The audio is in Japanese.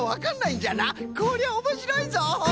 こりゃおもしろいぞ！